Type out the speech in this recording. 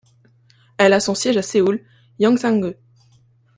Elle a son siège à Séoul, Yongsan-gu.